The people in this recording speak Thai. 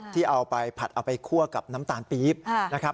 ที่เอาไปผัดเอาไปคั่วกับน้ำตาลปี๊บนะครับ